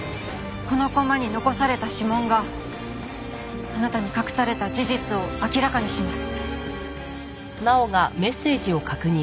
この駒に残された指紋があなたに隠された事実を明らかにします。